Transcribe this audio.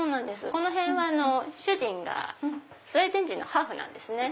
この辺は主人がスウェーデン人のハーフなんです。